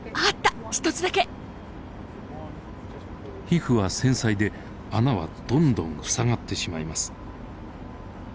皮膚は繊細で穴はどんどん塞がってしまいます。